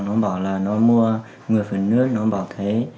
nó bảo là nó mua người phở nước nó bảo thế